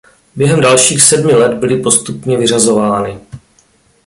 Během dalších sedmi let byly postupně vyřazovány.